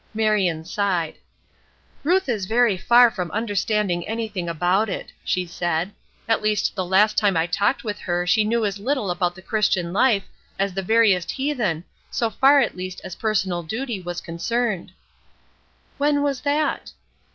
Marion sighed. "Ruth is very far from understanding anything about it," she said; "at least the last time I talked with her she knew as little about the Christian life as the veriest heathen so far at least as personal duty was concerned." "When was that?"